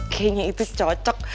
kayaknya itu cocok